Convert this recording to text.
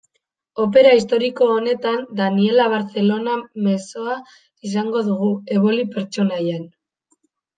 Opera historiko honetan, Daniella Barcellona mezzoa izango dugu, Eboli pertsonaian.